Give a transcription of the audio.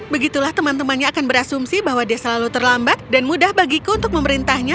begitulah teman temannya akan berasumsi bahwa dia selalu terlambat dan mudah bagiku untuk memerintahnya